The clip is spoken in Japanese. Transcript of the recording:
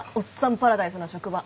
パラダイスな職場。